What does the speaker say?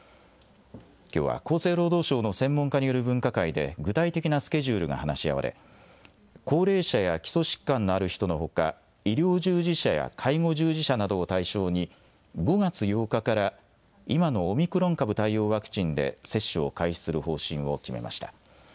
きょうは厚生労働省の専門家による分科会で、具体的なスケジュールが話し合われ、高齢者や基礎疾患のある人のほか、医療従事者や介護従事者などを対象に、５月８日から、今のオミクロン株対応ワクチンで接種を開始する方針を決めました。